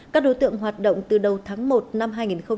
các đối tượng hoạt động từ đầu tháng một năm hai nghìn hai mươi